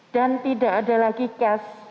dan tidak ada lagi cash